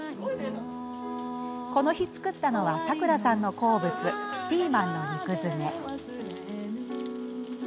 この日、作ったのはさくらさんの好物ピーマンの肉詰め。